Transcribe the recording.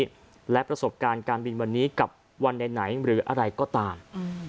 และประสบการณ์การบินวันนี้กับวันไหนหรืออะไรก็ตาม